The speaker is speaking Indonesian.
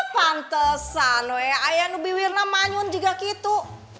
pantesan way ayah nubi wirna manyun juga gitu